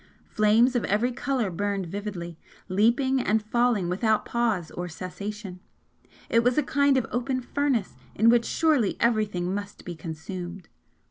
Flames of every colour burned vividly, leaping and falling without pause or cessation, it was a kind of open furnace in which surely everything must be consumed!